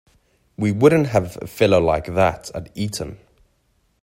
We wouldn't have a fellow like that at Eton.